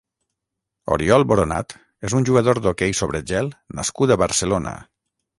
Oriol Boronat és un jugador d'hoquei sobre gel nascut a Barcelona.